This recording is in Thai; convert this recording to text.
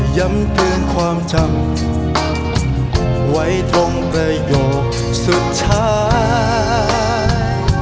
ย้ำเตือนความจำไว้ตรงประโยคสุดท้าย